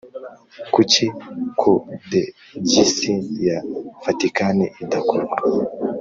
Kuki Kodegisi ya Vatikani idakorwa